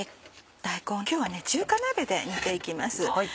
大根今日は中華鍋で煮て行きます。